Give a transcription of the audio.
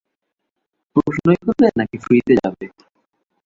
প্রশ্ন-ই করবে নাকি ফ্রিতে যাবে?